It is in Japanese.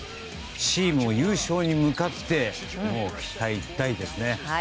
チームの優勝に向かって期待大ですね。